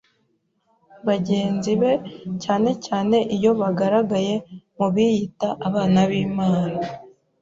bagenzi be, cyane cyane iyo bigaragaye mu biyita abana b’Imana.